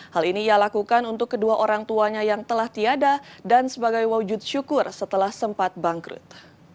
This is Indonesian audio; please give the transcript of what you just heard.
hal ini ia lakukan untuk kedua orang tuanya yang telah tiada dan sebagai wujud syukur setelah sempat bangkrut